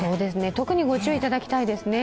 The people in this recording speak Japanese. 特にご注意いただきたいですね。